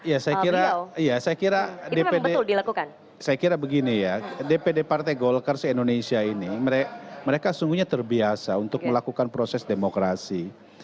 ya saya kira ya saya kira dpd saya kira begini ya dpd partai golkar indonesia ini mereka sungguhnya terbiasa untuk melakukan proses demokrasi